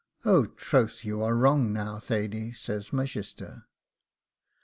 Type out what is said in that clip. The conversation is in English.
'Oh, troth, you are wrong now, Thady,' says my shister.